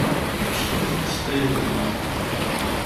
Acimi i teṭṭṣeḍ ay agdud?